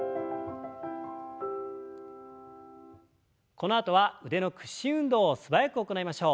このあとは腕の屈伸運動を素早く行いましょう。